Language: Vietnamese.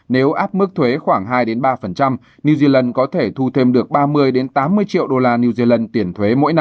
nếu áp mức thuế khoảng hai ba new zealand có thể thu thêm được ba mươi tám mươi triệu